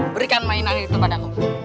berikan mainan itu padamu